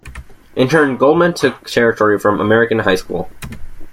In turn, Goleman took territory from American High School.